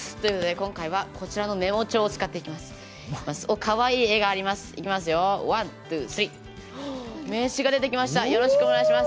今回はこちらのメモ帳を使っていきます。